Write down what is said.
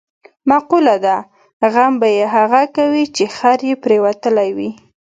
مقوله ده: غم به یې هغه کوي، چې خر یې پرېوتلی وي.